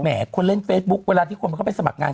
คนเล่นเฟซบุ๊คเวลาที่คนเข้าไปสมัครงาน